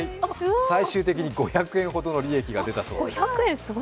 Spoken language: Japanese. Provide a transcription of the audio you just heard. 最終的に５００円ほどの利益が出たそうです。